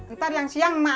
ntar yang siang mak anterin